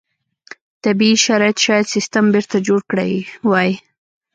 طبیعي شرایط شاید سیستم بېرته جوړ کړی وای.